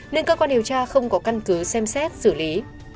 nên cơ quan điều tra không có căn cứ xem xét xử lý